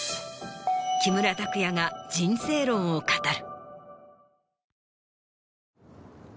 木村拓哉が人生論を語る。